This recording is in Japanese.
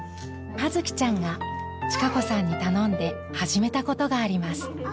葉月ちゃんが千香子さんに頼んで始めたことがあります。